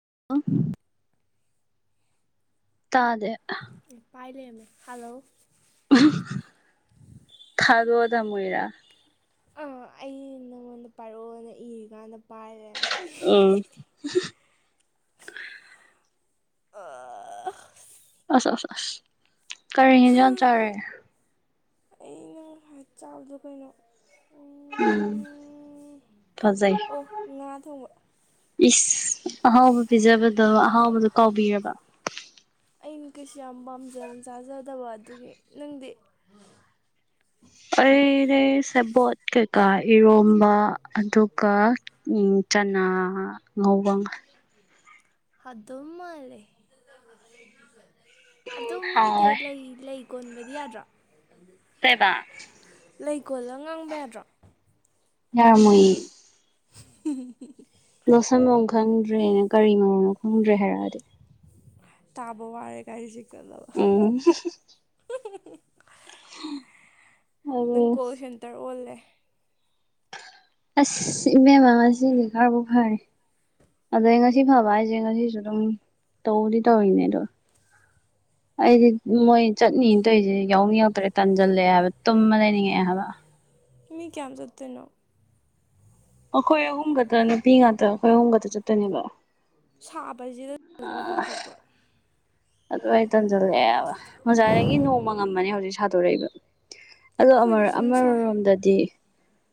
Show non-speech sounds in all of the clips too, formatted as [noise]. ꯍꯜꯂ ꯇꯥꯗꯦ ꯄꯥꯏ ꯂꯩ ꯍꯜꯣ ꯈꯥꯗꯗ ꯃꯣꯏꯔ ꯑꯥ ꯑꯩ ꯅꯪꯉꯣꯟꯗ ꯄꯥꯏꯔꯛꯑꯣꯅ ꯏꯔꯤꯀꯥꯟꯗ ꯄꯥꯏ ꯂꯩꯔꯝꯃꯦ ꯑꯣ ꯑ ꯑ ꯑꯁ ꯑꯁ ꯀꯔꯤ ꯍꯖ ꯆꯥꯔꯦ ꯑꯩꯅ ꯉ ꯆꯥꯎꯕꯗꯣ ꯀꯩꯅꯣ ꯎꯝ ꯐꯖꯩ ꯑꯣ ꯉꯥ ꯊꯣꯡꯕ ꯏꯁ ꯑꯍꯥꯎꯕ ꯄꯤꯖꯕꯗꯣ ꯑꯍꯥꯎꯕꯗꯣ ꯀꯥꯎꯕꯤꯔꯕ ꯑꯩꯅ ꯀꯩꯁꯨ ꯌꯥꯝ ꯄꯥꯝꯖꯅ ꯆꯥꯖꯗꯕ ꯑꯗꯨꯒꯤ ꯅꯪꯗꯤ ꯑꯩ ꯔ ꯁꯕꯠ ꯀꯩꯀꯥ ꯏꯔꯣꯝꯕ ꯑꯗꯨꯒ ꯆꯅꯥ ꯉꯕ ꯑꯗꯃ ꯂꯩꯦ ꯑꯗꯃ ꯏꯇꯦ ꯍꯥꯎꯋꯦ ꯂꯩ ꯂꯩ ꯀꯣꯟꯕꯗꯤ ꯌꯥꯗ꯭ꯔꯥ ꯁꯦꯕꯥ ꯂꯩ ꯀꯣꯜꯂ ꯉꯥꯡꯕ ꯌꯥꯗ꯭ꯔꯣ ꯌꯥꯔ ꯃꯣꯏ [unintelligible] ꯃꯣꯁꯝ ꯃꯔ ꯈꯪꯗ꯭ꯔꯦꯅ ꯀꯔꯤ ꯃꯔꯣꯅꯣ ꯈꯪꯗ꯭ꯔꯦ ꯍꯥꯏꯔꯛꯑꯗꯤ ꯇꯥꯕ ꯋꯥꯔꯦ ꯀꯥꯁꯤ ꯎꯝ ꯑꯗꯨ ꯅꯪ ꯀꯣꯜꯁꯟ ꯇꯔ ꯑꯣꯜꯂꯦ ꯑꯁ ꯏꯕꯦꯝꯃꯥ ꯉꯁꯤꯗꯤ ꯈꯥꯔꯕꯨ ꯐꯔꯤ ꯑꯗꯩ ꯉꯁꯤ ꯐꯕ ꯍꯥꯏꯁꯦ ꯉꯁꯤꯁꯨ ꯑꯗꯨꯝ ꯇꯧꯗꯤ ꯇꯧꯔꯤꯅꯦ ꯑꯗꯣ ꯗ ꯑꯩꯗꯤ ꯃꯣꯏ ꯆꯠꯅꯤꯅꯥ ꯇꯧꯔꯤꯁꯦ ꯌꯥꯎꯅꯤꯡꯉꯛꯇ꯭ꯔꯦ ꯇꯥꯟꯁꯤꯜꯂꯛꯑꯦ ꯍꯥꯏꯕ ꯇꯨꯝꯃ ꯂꯩꯅꯤꯡꯉꯛꯑꯦ ꯍꯥꯏꯕ ꯃꯤ ꯀꯌꯥꯝ ꯆꯠꯇꯣꯏꯅꯣ ꯑꯩꯈꯣꯏ ꯑꯍꯨꯝ ꯈꯛꯇꯅꯦ ꯅꯨꯄꯤ ꯉꯥꯛꯇ ꯑꯩꯈꯣꯏ ꯑꯍꯨꯝ ꯈꯛꯇ ꯆꯠꯇꯣꯏꯅꯦꯕ ꯁꯥꯕ ꯍꯥꯏꯕꯁꯤꯗꯅꯤ ꯃꯄꯥꯟ ꯊꯣꯛꯄ ꯑꯗꯨ ꯑꯩ ꯇꯟꯁꯤꯜꯂꯛꯑꯦꯕ ꯉꯖꯥꯏꯗꯒꯤ ꯅꯣꯡ ꯉꯝꯂꯝꯕꯅꯦ ꯍꯧꯖꯤꯛ ꯁꯥꯗꯣꯔꯛꯏꯕ ꯑꯗꯣ ꯑꯩꯈꯣꯏꯗꯤ ꯁꯨꯝ ꯑꯃ ꯁꯥꯏ ꯔꯣꯝꯗꯗꯤ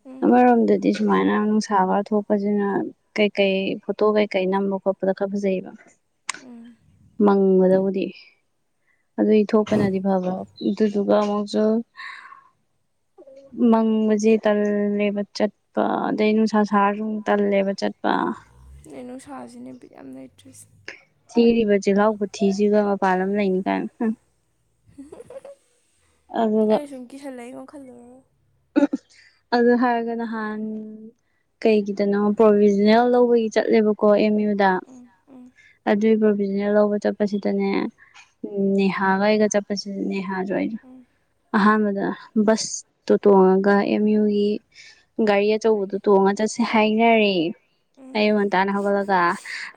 ꯎꯝ ꯑꯃꯔꯣꯝꯗꯗꯤ ꯁꯨꯃꯥꯏꯅ ꯅꯨꯡꯁꯥ ꯈꯔ ꯊꯣꯛꯄꯁꯤꯅ ꯀꯩꯀꯩ ꯐꯣꯇꯣ ꯀꯩꯀꯩ ꯅꯝꯕ ꯈꯣꯠꯄ ꯈꯔꯥ ꯐꯖꯥꯌꯦꯕꯥ ꯃꯪꯕꯗꯕꯨꯗꯤ ꯑꯗꯨꯏ ꯊꯣꯛꯄꯅꯗꯤ ꯐꯕ꯭ꯔꯣ ꯑꯗꯨꯗꯨ ꯑꯗꯨꯒ ꯑꯃꯛꯁꯨ ꯃꯥꯡꯕꯖꯤ ꯇꯔ ꯇꯜꯂꯦꯕ ꯆꯠꯄ ꯑꯗꯩ ꯅꯨꯡꯁꯥ ꯁꯥꯥꯔ ꯇꯜꯂꯦꯕ ꯆꯠꯄ ꯅ ꯅꯨꯡꯁꯥꯁꯤꯅꯦ ꯕꯤꯠ ꯌꯥꯝ ꯂꯩꯇ꯭ꯔꯤꯁꯦ ꯊꯤꯔꯤꯕ ꯆꯤꯜꯍꯥꯎ ꯄꯨꯊꯤꯁꯤꯒ ꯃꯄꯥꯟ ꯂꯝꯗ ꯂꯩꯅꯤ ꯀꯥꯏꯅ ꯑꯗꯨꯒ ꯑꯩ ꯁꯨꯝ ꯀꯤꯁꯜꯂꯛꯏꯒꯣ ꯈꯜꯂꯨꯔꯒꯥ ꯑꯗꯨ ꯍꯥꯏꯔꯒ ꯅꯍꯥꯟ ꯀꯩꯒꯤꯗꯅꯣ ꯄ꯭ꯔꯣꯚꯖꯅꯦꯜ ꯂꯧꯕꯒꯤ ꯆꯠꯂꯦꯕꯀꯣ ꯑꯦꯝ ꯌꯨꯗ ꯎꯝ ꯑꯗꯨꯏ ꯕꯤꯖꯤꯅꯦꯁ ꯂꯧꯕ ꯆꯠꯄꯁꯤꯗꯅꯦ ꯎ ꯅꯦꯍꯥꯒꯩꯒ ꯑꯩꯒꯥ ꯆꯠꯄꯁꯤꯗꯅꯦ ꯎꯝ ꯑꯍꯥꯟꯕꯗꯥ ꯕꯨꯁ꯭ ꯇꯨ ꯇꯣꯡꯉꯒ ꯑꯦꯝ ꯌꯨꯒꯤ ꯒꯥꯔꯤ ꯑꯆꯧꯕꯗꯨ ꯇꯣꯡꯉ ꯆꯠꯁꯦ ꯍꯥꯏꯅꯔꯦ ꯎꯝ ꯑꯌꯨꯛ ꯉꯟꯇꯥꯅ ꯍꯧꯒꯠꯂꯒ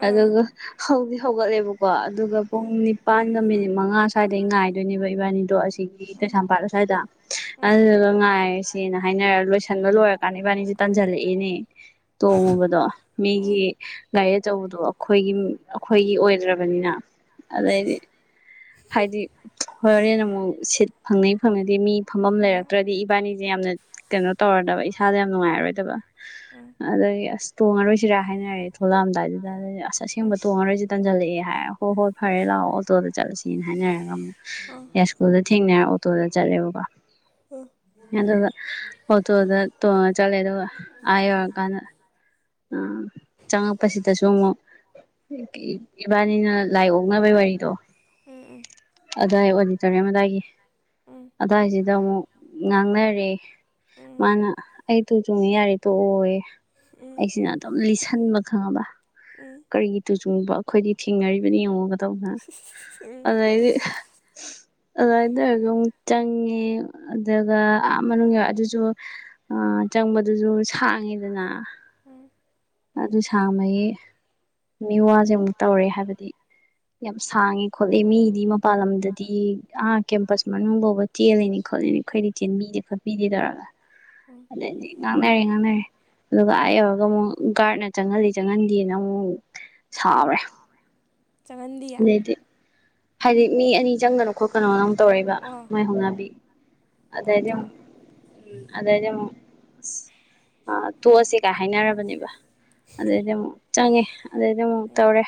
ꯑꯥ ꯑꯗꯨꯒ ꯍꯧꯗꯤ ꯍꯧꯒꯠꯂꯦꯕ ꯀꯣ ꯑꯗꯨꯒ ꯄꯨꯡ ꯎꯝ ꯅꯤꯄꯥꯟꯒ ꯃꯤꯅꯤꯠ ꯃꯉꯥ ꯁ꯭ꯋꯥꯏꯗꯩ ꯉꯥꯏꯗꯣꯏꯅꯦꯕ ꯏꯕꯥꯅꯤꯗꯣ ꯑꯁꯤ ꯀꯩꯁꯥꯞꯄꯠ ꯁꯋꯥꯏꯗ ꯎꯝ ꯎꯝ ꯆꯠꯁꯦꯅ ꯍꯥꯏꯅꯔ ꯂꯣꯏꯁꯟꯕ ꯂꯣꯏꯔꯀꯥꯟ ꯏꯕꯥꯅꯤꯁꯦ ꯇꯟꯖꯜꯂꯛꯏꯅꯦ ꯗ ꯇꯣꯡꯉꯨꯕꯗꯣ ꯃꯤꯒꯤ ꯒꯥꯔꯤ ꯑꯆꯧꯕꯗꯣ ꯑꯩꯈꯣꯏꯒꯤ ꯑꯩꯈꯣꯏꯒꯤ ꯑꯣꯏꯗ꯭ꯔꯕꯅꯤꯅ ꯑꯗꯩꯗꯤ ꯁꯤꯁ ꯍꯥꯏꯗꯤ ꯍꯣꯔꯦꯟ ꯑꯃꯨꯛ ꯁꯤꯠ ꯐꯪꯅꯩ ꯐꯪꯅꯗꯦ ꯃꯤ ꯐꯝꯐꯝ ꯍꯣꯏ ꯍꯣꯏ ꯂꯩꯔꯛꯇ꯭ꯔꯗꯤ ꯏꯕꯥꯅꯤꯁꯦ ꯌꯥꯝꯅ ꯀꯩꯅꯣ ꯇꯧꯔꯗꯕ ꯏꯁꯥꯗ ꯌꯥꯝ ꯅꯨꯡꯉꯥꯏꯔꯔꯣꯏꯗꯕ ꯎꯝ ꯑꯗꯒꯤ ꯑꯁ ꯇꯣꯡꯉꯔꯣꯏꯁꯤꯔꯥ ꯍꯥꯏꯅꯔꯦ ꯊꯣꯛꯂꯛꯑꯝꯗꯥꯏꯗꯨꯗ ꯑꯁ ꯑꯁꯦꯡꯕ ꯇꯣꯡꯉꯔꯣꯏꯁꯤꯦ ꯇꯟꯖꯜꯂꯛꯑꯦ ꯍꯣꯏ ꯍꯣꯏ ꯐꯔꯦ ꯂꯥꯛꯑꯣ ꯑꯣꯇꯣꯗ ꯆꯠꯂꯁꯅ ꯍꯥꯏꯅꯔꯒ ꯑꯃ ꯑꯥ ꯑꯥ ꯌꯥ ꯁ꯭ꯀꯨꯜꯗ ꯊꯦꯡꯅ ꯑꯣꯇꯣꯗ ꯆꯠꯂꯦꯕꯀꯣ ꯎꯝ ꯑꯗꯨꯒ ꯑꯣꯇꯣ ꯇꯣꯡꯉ ꯆꯠꯂꯦ ꯑꯗꯨꯒ ꯑꯣꯔ ꯀꯥꯟꯗ ꯑ ꯆꯪꯉꯛꯄꯁꯤꯗꯁꯨ ꯑꯃꯨꯛ ꯏꯕꯥꯅꯤꯅ ꯂꯥꯏ ꯑꯣꯛꯅꯕꯩ ꯋꯥꯔꯤꯗꯣ ꯎꯝ ꯑꯗꯥꯏ ꯑꯣꯗꯤꯇꯣꯔꯤꯌꯝ ꯑꯗꯥꯏꯒꯤ ꯎꯝ ꯑꯗꯥꯏꯁꯤꯗ ꯑꯃꯨꯛ ꯉꯥꯡꯅꯔꯦ ꯎꯝ ꯃꯥꯅ ꯑꯩꯗꯨꯨ ꯆꯣꯡꯉꯦ꯫ꯌꯥꯔꯤꯦ ꯇꯣꯛꯑꯣ ꯌꯦ ꯎꯝ ꯑꯩꯁꯤꯅ ꯑꯗꯨꯝ ꯂꯤꯁꯟꯕ ꯈꯪꯉꯕ ꯎꯝ ꯀꯔꯤꯒꯤ ꯇꯨꯖꯨꯡꯕ ꯑꯩꯈꯣꯏꯗꯤ ꯊꯦꯡꯅꯔꯤꯕꯅꯦ ꯌꯦꯡꯉꯣ ꯎꯝ ꯑꯗꯩꯗꯤ ꯑꯗꯨꯏꯗ ꯑꯣꯏꯔꯒ ꯑꯃꯨ ꯆꯪꯉꯦ ꯑꯗꯨꯒ ꯑꯥ ꯃꯅꯨꯡ ꯌꯎ ꯑꯗꯨꯁꯨ ꯆꯪꯕꯗꯨꯁꯨ ꯁꯥꯡꯉꯤꯗꯅ ꯑꯗꯨ ꯁꯥꯡꯕꯒꯤ ꯃꯤ ꯋꯥꯁꯦ ꯑꯃꯨꯛ ꯇꯧꯔꯦ ꯍꯥꯏꯕꯗꯤ ꯌꯥꯝ ꯁꯥꯡꯉꯦ ꯈꯣꯠꯂꯦ ꯃꯤꯗꯤ ꯃꯄꯜ ꯂꯝꯗꯗꯤ ꯑ ꯀꯦꯝꯄꯁ ꯃꯅꯨꯡ ꯐꯥꯎꯕ ꯇꯦꯜꯂꯤꯅꯤ ꯈꯣꯠꯂꯤꯅꯦ ꯑꯩꯈꯣꯏꯗꯤ ꯆꯦꯟꯕꯤꯗꯦ ꯈꯣꯠꯄꯤꯗꯦ ꯇꯧꯔꯒ ꯎꯝ ꯑꯗꯩꯩꯗꯤ ꯉꯥꯡꯅꯔꯦ ꯉꯥꯡꯅꯔꯦ ꯑꯗꯨꯒ ꯍꯥꯏꯌꯣ ꯑꯗꯨꯒ ꯑꯃꯨꯛ ꯒꯥꯔꯗꯅ ꯆꯪꯍꯜꯂꯤ ꯆꯪꯍꯟꯗꯦꯅ ꯑꯃꯨꯛ ꯁꯥꯎꯔꯦ ꯆꯪꯍꯟꯗꯤꯌꯦ ꯑꯗꯩꯗꯤ ꯍꯥꯏꯗꯤ ꯃꯤ ꯑꯅꯤ ꯆꯪꯒꯅꯣ ꯈꯣꯠꯀꯅꯣꯅ ꯑꯃꯝ ꯇꯧꯔꯛꯏꯕ ꯑꯣ ꯃꯣꯏ ꯍꯧꯅꯥꯕꯤ ꯑꯗꯩꯗꯤ ꯄꯛꯇ꯭ꯔꯤꯕ ꯑꯃꯨꯛ꯫ ꯎꯝ ꯑꯗꯩꯗꯤ ꯑꯃꯨꯛ ꯑꯁ ꯑꯥ ꯇꯣꯛꯑꯁꯒꯥꯏ ꯍꯥꯏꯅꯔꯕꯅꯦꯕ꯫ ꯑꯗꯩꯗꯤ ꯑꯃꯨꯛ ꯆꯪꯉꯦ ꯑꯗꯩꯗꯤ ꯑꯃꯨꯛ ꯎꯝ ꯇꯧꯔꯦ꯫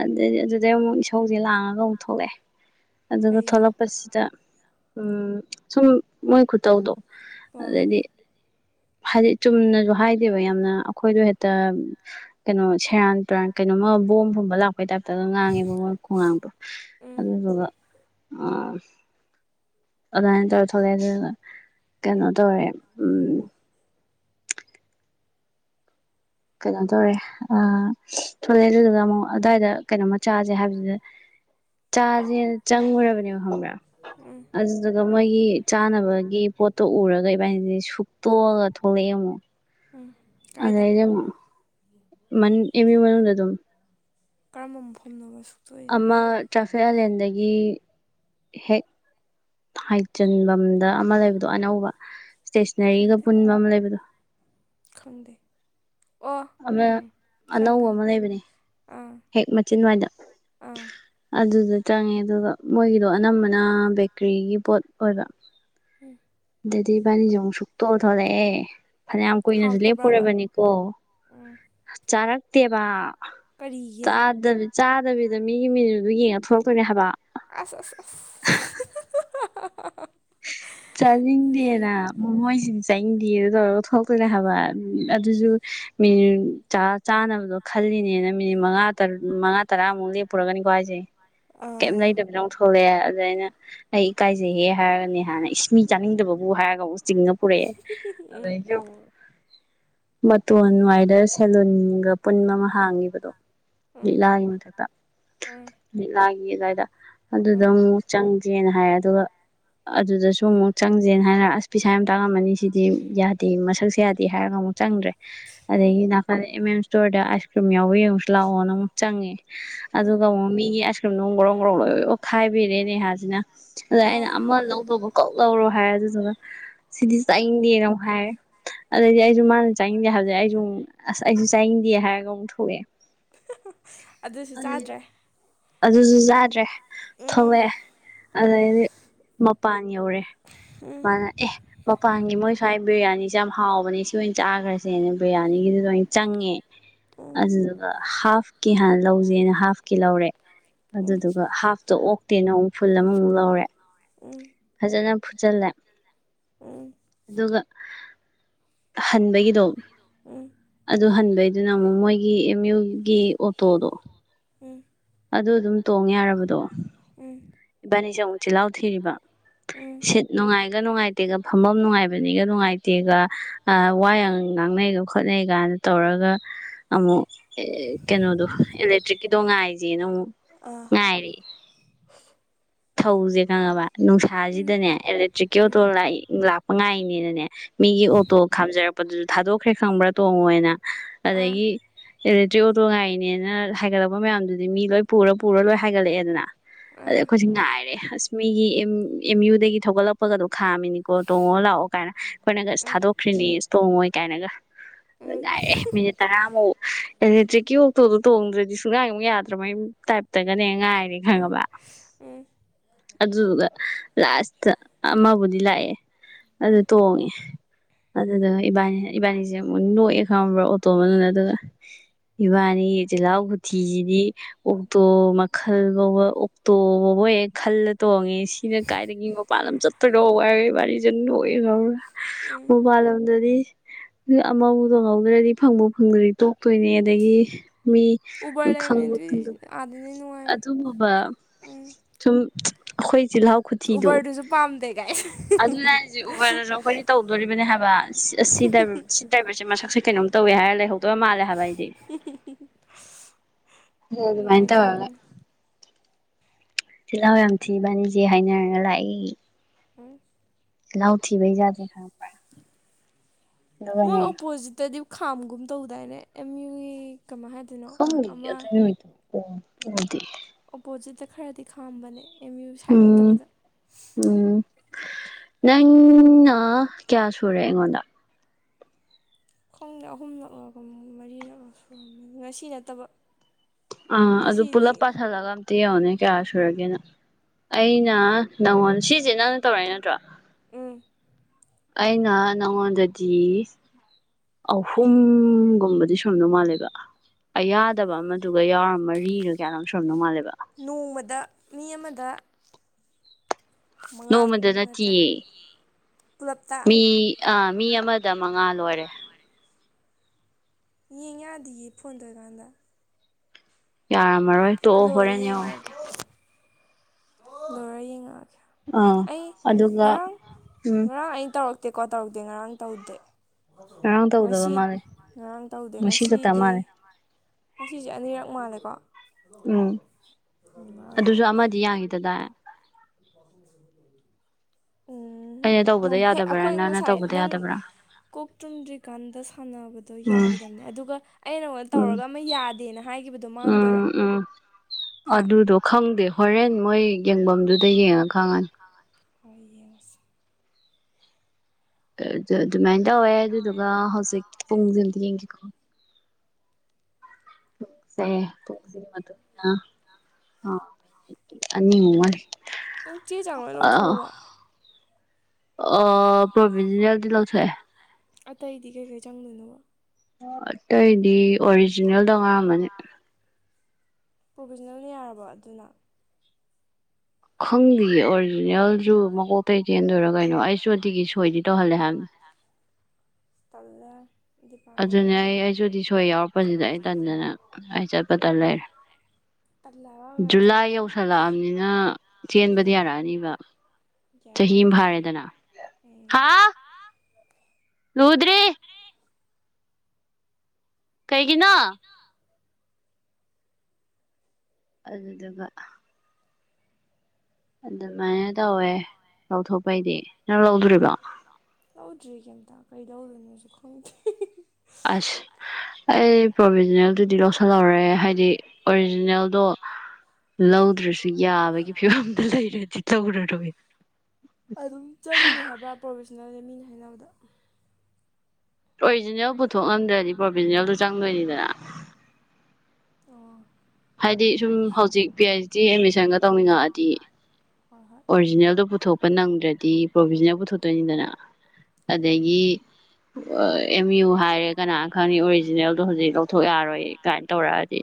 ꯑꯗꯩꯗꯤ ꯑꯗꯨꯗꯩ ꯑꯃꯨꯛ ꯏꯁꯧꯁꯦ ꯂꯥꯡꯉꯒ ꯑꯃꯨꯛ ꯊꯣꯛꯂꯛꯑꯦ ꯑꯗꯨꯒ ꯀꯩꯒꯤ ꯊꯣꯛꯂꯛꯄꯁꯤꯗ꯫ ꯎꯝ ꯁꯨꯝ ꯃꯣꯏ ꯈꯨꯠꯇꯧꯗꯣ ꯍꯣꯏ ꯍꯣꯏ ꯑꯗꯩꯗꯤ꯫ ꯍꯥꯏꯗꯤ ꯆꯨꯝꯅꯁꯨ ꯍꯥꯏꯗꯦꯕ ꯌꯥꯝꯅ ꯑꯩꯈꯣꯏꯗꯣ ꯍꯦꯛꯇ ꯀꯩꯅꯣ ꯁꯦꯔꯥꯟ ꯇꯨꯔꯥꯟ ꯀꯩꯅꯣꯃ꯫ ꯕꯣꯝ ꯐꯝꯕ ꯂꯛ ꯄꯥ ꯇꯥꯏꯄ ꯇꯥꯒ ꯉꯥꯡꯉꯦꯕ ꯃꯣꯏ ꯈꯣꯡꯉꯥꯡꯗꯣ ꯎꯝ ꯑꯗꯨꯗꯨꯒ ꯎꯝ꯫ ꯑꯗꯨꯃꯥꯏꯅ ꯇꯧꯔ ꯊꯣꯛꯂꯛꯑꯦ ꯑꯗꯨ ꯀꯩꯅꯣ ꯇꯧꯔꯦ ꯎꯝ꯫ ꯀꯩꯅꯣ ꯇꯧꯔꯦ ꯑ ꯊꯣꯛꯣꯂꯛꯑꯦ ꯑꯗꯨꯗꯨꯒ ꯑꯃꯨꯛ ꯑꯗꯨꯋꯥꯏꯗ ꯀꯩꯅꯣꯃ ꯆꯥꯁꯦ ꯍꯥꯏꯕꯗꯨꯗ꯫ ꯆꯥꯁꯦ ꯆꯪꯉꯨꯔꯕꯅꯦꯕ ꯈꯪꯕꯔꯥ꯫ ꯎꯝ ꯑꯗꯨꯗꯨꯒ ꯃꯣꯏꯒꯤ ꯆꯥꯅꯕꯒꯤ ꯄꯣꯠꯇꯣ ꯎꯔꯒ ꯏꯕꯥꯏꯅꯤꯁꯦ ꯁꯨꯛ ꯇꯣꯛꯑꯒ ꯊꯣꯛꯂꯛꯑꯦ ꯑꯃꯨꯛ꯫ ꯎꯝ ꯀꯥꯏꯗ ꯑꯗꯩꯗꯤ ꯑꯃꯨꯛ ꯑꯦꯝ ꯃꯨꯏ ꯃꯅꯨꯡꯗ ꯑꯗꯨꯝ꯫ ꯀꯔꯝꯕ ꯃꯐꯝꯅꯣꯕ꯫ ꯁꯨꯛꯇꯣꯏꯁꯦ ꯑꯃ ꯇ꯭ꯔꯥꯐꯤꯛ ꯑꯥꯏꯂꯦꯟꯗꯒꯤ ꯍꯦꯛ꯫ ꯍꯥꯏꯆꯟꯐꯝꯗ ꯑꯃ ꯂꯩꯕꯗꯣ ꯑꯅꯧꯕ ꯏꯁꯇꯦꯁꯅꯔꯤꯒ ꯈꯪꯗꯦ ꯄꯨꯟꯕ ꯑꯃ ꯂꯩꯕꯗꯣ꯫ ꯈꯪꯗꯦ꯫ ꯑꯣ ꯑꯃ ꯎꯝ ꯈꯪ ꯑꯅꯧꯕ ꯈꯪ ꯑꯃ ꯂꯩꯕꯅꯦ ꯑꯥ ꯍꯦꯛ ꯃꯆꯤꯟꯋꯥꯏꯗ꯫ ꯑꯥ ꯑꯗꯨꯗ ꯆꯪꯉꯦ ꯑꯗꯨꯒ ꯃꯣꯏꯒꯤꯗꯣ ꯑꯅꯝꯕꯅ ꯕꯦꯀꯔꯤꯒꯤ ꯄꯣꯠ ꯑꯣꯏꯕ꯫ ꯗꯗꯤ ꯏꯕꯅꯤꯁꯤ ꯑꯃꯨꯛ ꯁꯨꯛꯇꯣꯛꯑ ꯊꯣꯛꯂꯛꯑꯦ꯫ ꯐꯅꯌꯥꯝ ꯀꯨꯏꯅꯁꯨ ꯍꯥꯎꯇꯕ꯭ꯔꯕ ꯂꯦꯞꯄꯨꯔꯕꯅꯤꯀꯣ ꯆꯥꯔꯛꯇꯦꯕ꯫ ꯀꯥꯔꯤꯒꯤ꯫ ꯆꯥꯗꯕꯤꯗ ꯃꯤꯒꯤ ꯃꯤꯅꯗꯨ ꯌꯦꯡꯉꯒ ꯊꯣꯛꯂꯛꯇꯣꯏꯅꯦ ꯍꯥꯏꯕ꯫ ꯑꯁ ꯑꯁ꯫ ꯅꯩꯔꯦ ꯆꯥꯅꯤꯡꯗꯦꯅ ꯃꯣꯏꯁꯤꯗꯤ ꯆꯥꯅꯤꯡꯗꯦꯗ ꯇꯧꯔꯒ ꯊꯣꯛꯔꯛꯇꯣꯏꯅꯦ ꯍꯥꯏꯕ ꯑꯗꯨꯁꯨ꯫ ꯃꯤꯅꯨ ꯆꯥꯅꯕꯗꯣ ꯈꯜꯂꯤꯅꯦꯅ ꯃꯤꯅꯤꯠ ꯃꯉꯥ ꯇꯔꯨꯛ ꯃꯉꯥ ꯇꯔꯥꯃꯨꯛ ꯂꯦꯞꯄꯨꯔꯒꯅꯤꯀꯣ ꯍꯥꯏꯁꯦ꯫ ꯀꯩꯝ ꯑꯥ ꯂꯩꯇꯗꯕꯤꯗ ꯑꯃꯨꯛ ꯊꯣꯛꯂꯛꯑꯦ ꯑꯗꯨꯗ ꯑꯩꯅ ꯑꯩ ꯏꯀꯥꯏꯖꯩꯍꯦ ꯍꯥꯏꯔꯒ ꯅꯦꯍꯥꯅ ꯏꯁ ꯃꯤ ꯆꯥꯅꯤꯡꯗꯕꯕꯨ ꯍꯥꯏꯔꯒ ꯑꯃꯨꯛ ꯆꯤꯡꯉ ꯄꯨꯔꯛꯑꯦ ꯎꯝ ꯑꯗꯩꯒꯤ ꯑꯃꯨꯛ꯫ ꯃꯇꯣꯟ ꯋꯥꯏꯗ ꯁꯦꯂꯨꯟꯒ ꯄꯨꯟꯕ ꯑꯃ ꯍꯥꯡꯉꯤꯕꯗꯣ꯫ ꯎꯝ ꯂꯤꯛꯂꯥꯒꯤ ꯃꯊꯛꯇ ꯎꯝ ꯂꯤꯛꯂꯥꯒꯤ ꯑꯗꯨꯋꯥꯏꯗ ꯑꯗꯨꯗ ꯎꯝ ꯑꯃꯨꯛ ꯆꯪ [unintelligible] ꯍꯥꯏꯔꯦ ꯑꯗꯨꯒ ꯑꯗꯨꯗꯁꯨ꯫ ꯑꯗꯨ ꯑꯃꯨꯛ ꯆꯪꯁꯦꯅ ꯍꯥꯏꯅ ꯑꯁ ꯄꯤꯁꯥꯏ ꯌꯥꯝ ꯇꯥꯡꯉꯝꯃꯅꯤ ꯁꯤꯗꯤ ꯌꯥꯗꯦ ꯃꯁꯛꯁꯦ ꯌꯥꯗꯦ ꯍꯥꯏꯔꯒ ꯑꯃꯨꯛ ꯆꯪꯗ꯭ꯔꯦ꯫ ꯎꯝ ꯑꯗꯒꯤ ꯅꯥꯀꯟꯗ ꯑꯦꯝ ꯑꯦꯝ ꯏꯁꯇꯣꯔꯗ ꯑꯥꯏꯁ ꯀ꯭ꯔꯤꯝ ꯌꯥꯎꯕ ꯌꯦꯡꯉꯨꯁꯤ ꯂꯥꯎꯅ ꯑꯃꯨꯛ ꯆꯪꯉꯦ꯫ ꯎꯝ ꯑꯗꯨꯒ ꯑꯃꯨꯛ ꯃꯤꯒꯤ ꯑꯥꯏꯁ ꯀ꯭ꯔꯤꯝꯗꯨ ꯑꯃꯨꯛ ꯒ꯭ꯔꯣ ꯒ꯭ꯔꯣ ꯑꯣꯠꯈꯥꯏꯕꯤꯔꯦ ꯅꯦꯍꯥꯁꯤꯅ꯫ ꯑꯗ ꯑꯩꯅ ꯑꯥ ꯑꯃ ꯂꯧꯗꯣꯕ ꯂꯧꯔꯣ ꯍꯥꯏꯔꯦ ꯑꯗꯨꯗꯨꯅ ꯁꯤꯗꯤ ꯆꯥꯅꯤꯡꯗꯦꯅ ꯑꯃꯨꯛ ꯍꯥꯏꯔꯦ ꯑꯗꯩꯗꯤ ꯑꯩꯁꯨ ꯃꯥꯅ ꯆꯥꯅꯤꯡꯗꯦ ꯍꯥꯏꯕꯗ ꯑꯩꯁꯨ ꯑꯃꯨꯛ ꯑꯁ ꯑꯩꯁꯨ ꯆꯥꯏꯅꯤꯡꯗꯦ ꯍꯥꯏꯔꯒ ꯑꯃꯨꯛ ꯊꯣꯛꯑꯦ꯫ ꯑꯗꯨꯁꯨ ꯆꯥꯗ꯭ꯔꯦ ꯑꯗꯨꯁꯨ꯫ ꯆꯥꯗ꯭ꯔꯦ ꯎꯝ ꯊꯣꯛꯂꯛꯑꯦ ꯑꯗꯩꯗꯤ ꯃꯄꯥꯟ ꯌꯧꯔꯛꯑꯦ ꯎꯝ ꯃꯥꯅ ꯑꯦ ꯃꯄꯥꯟꯒꯤ ꯃꯣꯏ ꯁꯨꯋꯥꯏ ꯕꯤꯔꯌꯥꯅꯤꯁꯦ ꯌꯥꯝ ꯍꯥꯎꯕꯅꯦ ꯁꯤ ꯑꯣꯏꯅ ꯆꯥꯈ꯭ꯔꯁꯦꯅ ꯕꯤꯔꯌꯥꯅꯤꯒꯤꯗꯨꯗ ꯑꯣꯏꯅ ꯆꯪꯉꯦ꯫ ꯎꯝ ꯑꯗꯨꯗꯨꯒ ꯍꯥꯐꯀꯤ ꯍꯥꯟꯅ ꯂꯧꯁꯦꯅ ꯍꯥꯐꯀꯤ ꯂꯧꯔꯦ꯫ ꯑꯗꯨꯗꯨꯒ ꯍꯥꯐꯇꯣ ꯑꯣꯛꯇꯦꯅ ꯑꯃꯨꯛ ꯐꯨꯜ ꯑꯃꯃꯨꯛ ꯂꯧꯔꯦ꯫ ꯎꯝ꯫ ꯐꯖꯅ ꯐꯨꯠꯆꯜꯂꯦ꯫ ꯎꯝ꯫ ꯑꯗꯨꯒ ꯍꯟꯕꯒꯤꯗꯣ ꯑꯗꯨ ꯍꯟꯕ ꯑꯗꯨꯅ ꯑꯃꯨꯛ ꯃꯣꯏꯒꯤ ꯑꯦꯝ ꯃꯨꯏꯒꯤ ꯑꯣꯇꯣꯗꯣ꯫ ꯎꯝ꯫ ꯑꯗꯨ ꯑꯗꯨꯝ ꯇꯣꯡꯉꯦ ꯌꯥꯔꯕꯗꯣ ꯏꯕꯥꯅꯤꯁꯦ ꯑꯃꯨꯛ ꯆꯤꯜꯍꯥꯎ ꯊꯤꯔꯤꯕ ꯁꯤꯠ ꯅꯨꯡꯉꯥꯏ ꯒ ꯅꯨꯡꯉꯥꯏꯇꯦꯒ ꯐꯐꯝ ꯅꯨꯡꯉꯥꯏꯕꯅꯤꯒ ꯅꯨꯡꯉꯥꯏꯇꯦꯒ ꯋꯥ ꯌꯥ ꯉꯥꯡꯅꯩꯒ ꯈꯣꯠꯅꯩ ꯀꯅ ꯇꯧꯔꯒ ꯑꯃꯨꯛ ꯀꯩꯅꯣꯗꯣ ꯑꯦꯂꯦꯛꯇ꯭ꯔꯤꯛꯀꯤꯗꯣ ꯉꯥꯏꯁ ꯦꯅ ꯑꯃꯨꯛ ꯉꯥꯏꯔꯦ ꯊꯧꯁꯦ ꯈꯪꯉꯕ ꯅꯨꯡꯁꯥꯁꯤꯗꯅꯦ ꯏꯂꯦꯛꯇ꯭ꯔꯤꯛꯀꯤ ꯑꯣꯇꯣ ꯂꯥꯛꯄ ꯉꯥꯏꯅꯦꯅꯅꯦ ꯃꯤꯒꯤ ꯑꯣꯇꯣ ꯈꯥꯝꯖꯔꯛꯄꯗꯨꯁꯨ ꯊꯥꯗꯣꯛꯈ꯭ꯔꯦ ꯈꯪꯕ꯭ꯔꯥ ꯇꯣꯡꯉꯣꯅ ꯑꯗꯒꯤ ꯑꯦꯂꯦꯛꯇ꯭ꯔꯤꯛ ꯑꯣꯇꯣ ꯉꯥꯏꯅꯦꯅ ꯍꯥꯏꯒꯠꯂꯛꯄ ꯃꯌꯥꯝꯗꯨꯗꯤ ꯃꯤ ꯂꯣꯏ ꯄꯨꯔ ꯄꯨꯔ ꯂꯣꯏ ꯍꯥꯏꯒꯠꯂꯛꯑꯦꯗꯅ ꯑꯗ ꯑꯩꯈꯣꯏꯁꯦ ꯉꯥꯏꯔꯦ ꯑꯁꯃꯤꯒꯤ ꯑꯦꯝ ꯌꯨꯗꯒꯤ ꯊꯒꯠꯂꯛꯄꯒꯗꯣ ꯈꯥꯝꯃꯤꯅꯤꯀꯣ ꯇꯣꯡꯉꯣ ꯂꯥꯛꯑꯣ ꯀꯥꯏꯅ ꯑꯩꯈꯣꯏꯅꯒ ꯊꯥꯗꯣꯛꯈ꯭ꯔꯤꯅꯤ ꯇꯣꯡꯉꯣꯏ ꯀꯥꯏꯅꯒ ꯑ ꯉꯥꯏꯔꯦ ꯃꯤꯅꯤꯠ ꯇꯔꯥꯃꯥꯎ ꯑ ꯇꯦꯛꯀꯤꯌꯣꯛꯛꯇꯣꯗꯣ ꯇꯣꯡꯗ꯭ꯔꯗꯤ ꯁꯨꯡ ꯉꯥꯏꯨꯛ ꯌꯥꯗ꯭ꯔꯦ ꯠꯇ ꯃꯩ ꯇꯥꯏꯞꯇꯒꯅꯦ ꯉꯥꯏꯔꯦ ꯈꯪꯉꯕ ꯑꯗꯨꯗꯨꯒ ꯂꯥꯁꯇ ꯑꯃꯕꯨꯗꯤ ꯂꯥꯛꯑꯦ ꯑꯗꯨ ꯇꯣꯡꯉꯦ ꯑꯗꯨꯗꯨ ꯏꯕꯥꯅꯤ ꯏꯕꯥꯅꯤꯁꯦ ꯑꯃꯨꯛ ꯅꯣꯛꯑꯦ ꯈꯪꯕ꯭ꯔꯥ ꯑꯣꯇꯣ ꯃꯅꯨꯡꯅ ꯑꯗꯨꯒ ꯏꯕꯥꯅꯤ ꯆꯤꯜꯍꯥꯎ ꯍꯨꯊꯤꯁꯤꯗꯤ ꯎꯛꯇꯣ ꯃꯈꯜꯒꯕ ꯎꯛꯇꯣꯕ ꯈꯜꯂ ꯇꯣꯡꯉꯤ ꯁꯤꯅ ꯀꯥꯏꯗꯒꯤ ꯃꯄꯥꯟ ꯑꯃ ꯆꯠꯇꯣꯏꯔꯣ ꯋꯥꯏꯔꯦ ꯋꯥꯔꯤꯁ ꯑꯗꯨ ꯂꯣꯛꯑꯦ ꯉꯥꯎꯔ ꯃꯕꯥꯜꯂꯝꯗꯗꯤ ꯑꯃꯕꯨ ꯇꯣ ꯉꯧꯗ꯭ꯔꯗꯤ ꯐꯪꯕꯨ ꯐꯪꯗ꯭ꯔꯗꯤ ꯇꯣꯛꯇꯣꯏꯅꯦ ꯑꯗꯒꯤ ꯃꯤ ꯎꯕꯔ ꯈꯪ ꯂꯩꯕꯅꯦ ꯑꯗꯨꯏ ꯑꯥꯗꯅꯦ ꯅꯨꯡꯉꯥꯏꯕꯅꯦ ꯑꯗꯨꯒꯨꯝꯕ ꯎꯝ ꯁꯨꯝ ꯑꯩꯈꯣꯏ ꯆꯤꯜꯍꯥꯎ ꯈꯨꯊꯤꯗꯣ ꯎꯕꯔꯗꯨꯁꯨ ꯄꯥꯝꯗꯦ ꯀꯥꯏ ꯑꯗꯨꯅꯖꯤꯛ ꯎꯕꯔꯗꯁꯨ ꯑꯩꯈꯣꯏꯅ ꯇꯧꯗꯣꯔꯤꯕꯅꯦ ꯍꯥꯏꯕ ꯁꯤꯗꯕꯁꯦ ꯃꯁꯛ ꯀꯩꯅꯣꯝ ꯇꯧꯋꯦ ꯍꯥꯏꯔ ꯂꯩꯍꯧꯗꯣꯏ ꯃꯥꯜꯂꯦ ꯍꯥꯏꯕ ꯍꯥꯏꯗꯤ ꯑꯗꯨ ꯃꯥꯏꯇ ꯋꯥꯒꯦ ꯅꯨꯡꯉꯥꯏꯗꯧꯔꯤꯅꯤ ꯇꯤꯜꯍꯥꯎ ꯌꯥꯝ ꯊꯤꯕꯅꯤꯁꯦ ꯍꯥꯏꯅꯔꯒ ꯂꯥꯛꯏ ꯑ ꯅꯧ ꯊ ꯩ ꯌꯥꯗ ꯈꯔ ꯃꯣꯏ ꯑꯣꯄꯣꯖꯤꯠꯇꯗꯤ ꯈꯥꯝꯒꯨꯝ ꯇꯧꯗꯥꯏꯅꯦ ꯑꯦꯝ ꯌꯨꯒꯤ ꯀꯃꯥꯏ ꯍꯥꯏꯗꯣꯏꯅꯣ ꯍ ꯑꯃ ꯑꯗꯤ ꯑꯣꯄꯣꯖꯤꯠꯇ ꯈꯔꯗꯤ ꯈꯥꯝꯕꯅꯦ ꯑꯦꯝ ꯌꯨ ꯁꯥꯏꯠ ꯎꯝ ꯅꯠꯇꯕꯗ ꯎꯝ ꯅ ꯀꯌꯥ ꯁꯨꯔꯦ ꯑꯩꯉꯣꯟꯗ ꯈꯣꯡꯗ ꯑꯍꯨꯝ ꯅꯛꯂꯒ ꯈꯣꯡ ꯃꯔꯤꯔꯛꯂ ꯁꯨꯔꯝꯕꯅꯤ ꯉꯁꯤ ꯅꯠꯇꯕ ꯑꯥ ꯑꯗꯨ ꯉꯁꯤꯗꯤ ꯄꯨꯂꯞ ꯄꯥꯊꯂꯒ ꯑꯝꯇ ꯌꯡꯎꯅꯦ ꯀꯌꯥ ꯁꯨꯔꯒꯦꯅ ꯑꯩꯅ ꯅꯉꯣꯟ ꯁꯤꯁꯦ ꯅꯪꯅ ꯇꯧꯔꯛꯏ ꯅꯠꯇ꯭ꯔꯣ ꯎꯝ ꯑꯩꯅ ꯅꯉꯣꯟꯗꯗꯤ ꯑꯍꯨꯝꯒꯨꯝꯕꯗꯤ ꯁꯝꯗꯧ ꯃꯥꯜꯂꯦꯕ ꯌꯥꯗꯕ ꯑꯃꯗꯨꯒ ꯌꯥꯎꯔ ꯃꯔꯤꯅꯣ ꯀꯌꯥꯅꯣ ꯁꯣ ꯅꯣꯡꯉꯜꯂꯕ ꯅꯣꯡꯃꯗ ꯃꯤ ꯑꯃꯗ ꯃꯉ ꯅꯣꯡꯃꯗ ꯅꯠꯇꯤꯌꯦ ꯃꯤ ꯑ ꯃꯤ ꯑꯃꯗ ꯃꯉꯥ ꯂꯣꯏꯔꯦ ꯌꯦꯡ ꯌꯥꯗꯤꯌꯦꯦ ꯐꯣꯟ ꯇꯧꯔꯀꯥꯟꯗ ꯌꯥꯔꯝꯃꯔꯣꯏ ꯇꯣꯛꯑꯣ ꯍꯣꯔꯦꯟꯅꯦ ꯑꯣ ꯌꯦꯡꯉꯛꯑꯒꯦ ꯂꯣꯏꯔ ꯌꯦꯡꯉꯛꯑꯒꯦ ꯑꯥ ꯑꯩ ꯑꯗꯨꯒ ꯉꯔꯥꯡ ꯎꯝ ꯉꯔꯥꯡ ꯑꯩꯅ ꯇꯧꯔꯛꯇꯦꯀꯣ ꯇꯧꯔꯛꯇꯦ ꯉꯔꯥꯡ ꯇꯧꯗꯦ ꯉꯔꯥꯡ ꯇꯧꯗꯕ ꯉꯁꯤ ꯃꯥꯜꯂꯦ ꯉꯔꯥꯡ ꯇꯧꯗꯦ ꯉꯁꯤ ꯈꯛꯇ ꯉꯁꯤꯗꯤ ꯃꯥꯜꯂꯦ ꯉꯁꯦ ꯑꯅꯤꯔꯛ ꯃꯥꯜꯂꯦ [unintelligible] ꯎꯝ ꯑꯗꯨꯁꯨ ꯑꯃꯗꯤ ꯌꯥꯈꯤꯗꯗꯥꯏ ꯎꯝ ꯑꯩꯅ ꯇꯧꯕꯗ ꯎꯝ ꯍꯦꯛ ꯌꯥꯗꯕ꯭ꯔꯥ ꯑꯩꯈꯣꯏ ꯅꯪꯅ ꯉꯁꯥꯏ ꯇꯧꯕꯗ ꯅꯪ ꯌꯥꯗꯕ꯭ꯔꯥ ꯀꯣꯛ ꯇꯨꯝꯗ꯭ꯔꯤꯀꯥꯟꯗ ꯁꯥꯟꯅꯕꯗꯣ ꯎꯝ ꯌꯥꯈꯤꯗꯕꯅꯦ ꯑꯗꯨꯒ ꯑꯩ ꯅꯉꯣꯟꯗ ꯎꯝ ꯇꯧꯔꯒ ꯑꯃ ꯌꯥꯗꯦꯅ ꯍꯥꯏ ꯍꯥꯏꯈꯤꯕꯗꯨꯣ ꯃꯥꯡꯗꯣꯏꯔ ꯎꯝ ꯎꯝ ꯑꯗꯨꯗꯣ ꯈꯪꯗꯦ ꯍꯣꯔꯦꯟ ꯃꯣꯏ ꯌꯦꯡꯐꯝꯗꯨꯗ ꯌꯦꯡꯉ ꯈꯪꯉꯅꯤ ꯍꯣꯏ ꯌꯦꯡꯉꯁꯤꯦ ꯑꯗꯨꯃꯥꯏꯅ ꯇꯧꯋꯦ ꯑꯗꯨꯗꯨꯒ ꯍꯧꯖꯤꯛ ꯄꯨꯡꯁꯤ ꯑꯝꯇ ꯌꯦꯡꯒꯀꯣ ꯄꯁꯦ ꯄꯁꯤ ꯃ ꯑꯅꯤ ꯃꯦ ꯑꯗꯨ ꯆꯦ ꯆꯉ ꯂꯧꯊꯣꯛꯑꯕ ꯑ ꯄ꯭ꯔꯣꯚꯖꯅꯦꯜꯗꯤ ꯂꯧꯊꯣꯛꯑꯦ ꯑꯇꯩꯗꯤ ꯀꯩꯀꯩ ꯆꯪꯗꯣꯏꯅꯕ ꯑꯇꯩꯗꯤ ꯑꯣꯔꯤꯖꯤꯅꯦꯜꯗꯉꯥꯡꯃꯅꯦ ꯄ꯭ꯔꯣꯚꯖꯅꯦꯜ ꯌꯥꯔꯕ ꯑꯗꯨꯅ ꯈꯪꯤ ꯑꯣꯔꯜꯁꯨ ꯃ ꯑꯇꯩ ꯆꯦꯟꯗꯣꯏꯔ ꯀꯩꯅꯣ ꯑꯩꯁꯨ ꯑꯗꯨꯒꯤ ꯁꯣꯏꯗꯤ ꯇꯧꯍꯜꯂꯦ ꯍꯥꯏꯕꯅꯦ ꯇꯜꯅꯦ ꯑꯗꯨꯅꯦ ꯑꯩ ꯑꯩꯁꯨꯗꯤ ꯁꯣꯏ ꯌꯥꯎꯔꯛꯄꯁꯤꯗ ꯑꯩ ꯇꯟꯗꯅ ꯑꯩ ꯆꯠꯄꯗ ꯂꯩꯔꯦ ꯇꯜꯂꯦ ꯍꯥꯏꯕ ꯍꯥꯟꯅ ꯖꯨꯂꯥꯏ ꯆꯪꯕ ꯌꯧꯁꯜꯂꯛꯑꯕꯅꯤꯅ ꯆꯦꯟꯕꯗꯤ ꯌꯥꯔꯛꯑꯅꯤꯕ ꯆꯍꯤ ꯑꯃ ꯀꯔꯁꯤ ꯐꯥꯔꯦꯗꯅ ꯎꯝ ꯂꯗꯔꯤ ꯀꯩꯒꯤꯅ ꯑꯗꯨꯗꯨꯒ ꯑꯗꯨꯃꯥꯏꯅ ꯇꯧꯋꯦ ꯂꯧꯊꯣꯛꯄꯩꯗꯤ ꯅꯪ ꯂꯧꯗꯣꯔꯤꯕꯣ ꯂꯧꯗ꯭ꯔꯤ ꯀꯩꯝꯇ ꯀꯩꯗꯧꯗꯅꯣꯁꯨ ꯈꯪꯗꯦ ꯑꯁ ꯑꯩ ꯄ꯭ꯔꯣꯚꯖꯤꯅꯦꯜꯗꯨꯗꯤ ꯂꯧꯁꯤꯜꯍꯧꯔꯦ ꯍꯥꯏꯗꯤ ꯑꯣꯔꯤꯖꯤꯅꯦꯜꯗꯣ ꯂꯧꯗ꯭ꯔꯁꯨ ꯌꯥꯕꯒꯤ ꯐꯤꯕꯝꯗ ꯂꯩꯔꯗꯤ ꯇꯧꯔꯔꯣꯏ ꯑꯗꯨꯝ ꯆꯪꯅꯤ ꯍꯥꯏꯕ꯭ꯔꯥ ꯄ꯭ꯔꯣꯐꯦꯁꯅꯦꯜꯅꯦ ꯃꯤꯅ ꯍꯥꯏꯅꯕꯗ ꯑꯣꯔꯤꯖꯤꯅꯦꯜ ꯄꯨꯊꯣꯛ ꯉꯝꯗ꯭ꯔꯗꯤ ꯄ꯭ꯔꯣꯕꯤꯖꯤꯅꯦꯜꯗꯨꯣ ꯆꯪꯗꯣꯏꯅꯤꯗꯅ ꯑ ꯍꯥꯏꯗꯤ ꯁꯨꯝ ꯍꯧꯖꯤꯛ ꯄꯤ ꯑꯩꯆ ꯗꯤ ꯑꯦꯗꯃꯤꯁꯟꯒ ꯇꯧꯅꯤꯡꯉꯛꯑꯗꯤ ꯍꯣꯏ ꯍꯣꯏ ꯑꯣꯔꯤꯖꯤꯅꯦꯜꯗꯣ ꯄꯨꯊꯣꯛꯄ ꯅꯪꯗ꯭ꯔꯗꯤ ꯄ꯭ꯔꯣꯕꯤꯖꯤꯅꯦꯜ ꯄꯨꯊ ꯊꯣꯛ ꯇꯣꯏꯅꯤꯗꯅ ꯍꯣꯏ ꯑꯗꯒꯤ ꯑꯦꯝ ꯌꯨ ꯍꯥꯏꯔꯦ ꯀꯅꯥꯅ ꯈꯪꯅꯤ ꯑꯣꯔꯤꯖꯤꯅꯦꯜꯗꯣ ꯍꯧꯖꯤꯛ ꯂꯧꯊꯣꯛ ꯌꯥꯔꯣꯏ ꯀꯥꯏꯅ ꯇꯧꯔꯛꯑꯗꯤ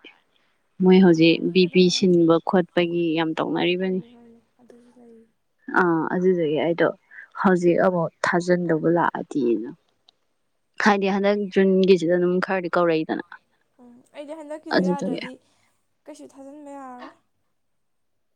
ꯃꯣꯏ ꯍꯧꯖꯤꯛ ꯕꯤ ꯄꯤ ꯆꯥꯅꯤꯒꯗꯧ ꯌꯥꯗꯣꯏ ꯁꯤꯟꯕ ꯈꯣꯠꯄꯒꯤ ꯌꯥꯝ ꯇꯧꯅꯔꯤꯕꯅꯤ ꯍꯣꯏꯅꯦ ꯍꯣꯏꯅꯦ ꯑꯗꯨꯁꯨ ꯂꯩ ꯑ ꯑꯗꯨꯖꯤꯖꯒꯦ ꯑꯩꯗꯣ ꯍꯧꯖꯤꯛ ꯑꯃꯨꯛ ꯊꯥꯖꯤꯟꯗꯧꯕ ꯂꯥꯛꯑꯗꯤꯅ [unintelligible] ꯍꯥꯏꯗꯤ ꯍꯟꯗꯛ ꯖꯨꯟꯒꯤꯁꯤꯗ ꯑꯗꯨꯝ ꯈꯔꯗꯤ ꯀꯧꯔꯛꯏꯗꯅ ꯎꯝ ꯑꯩꯗꯤ ꯍꯟꯗꯛꯀꯤꯗꯣ ꯑꯗꯨꯗꯨꯒꯤ ꯌꯥꯗ꯭ꯔꯗꯤ ꯀꯩꯁꯨ ꯊꯥꯖꯤꯟꯕ ꯌꯥꯔ